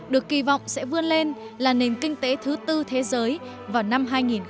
được kỳ vọng sẽ vươn lên là nền kinh tế thứ tư thế giới vào năm hai nghìn hai mươi